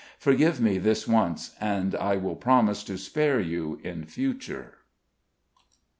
Forgive me this once, and I will promise to spare you in future.